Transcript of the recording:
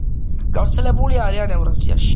გავრცელებული არიან ევრაზიაში.